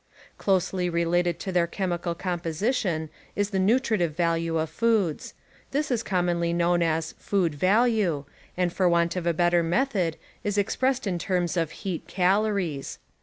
Closely related to their chemical composition is the nutritive value of foods. This is commonly known as "food value" and for want of a better method is expressed in terms of heat TV, .. calories.